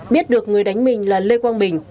biết được người đánh mình là lê quang bình